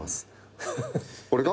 俺が？